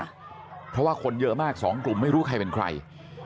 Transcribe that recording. เพราะว่าคนเยอะมากสองกลุ่มไม่รู้ใครเป็นใคร